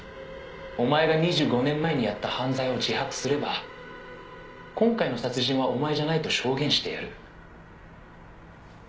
「お前が２５年前にやった犯罪を自白すれば今回の殺人はお前じゃないと証言してやる」